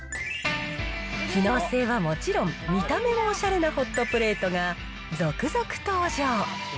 機能性はもちろん、見た目もおしゃれなホットプレートが続々登場。